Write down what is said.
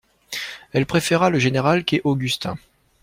Elle préféra le général qu'est Augustin.